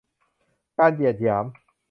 การเหยียดหยาม